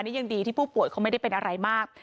นี่ยังดีที่ผู้ป่วยเขาไม่ได้เป็นอะไรมาก